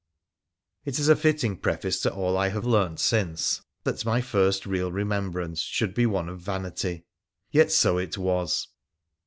It is a fitting preface to all I have learnt since that my first real remembrance should be one of vanity. Yet so it was.